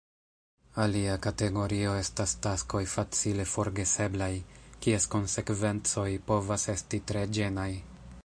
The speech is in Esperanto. Alia kategorio estas taskoj facile forgeseblaj, kies konsekvencoj povas esti tre ĝenaj.